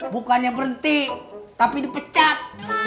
bukannya berhenti tapi dipecat